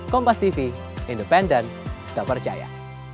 kompastv independen tak percaya